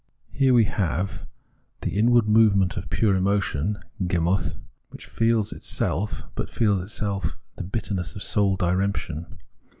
Hence we have here the inward move ment of pure emotion {Gemuth) which feels itself, but feels itself in the bitterness of soul diremption.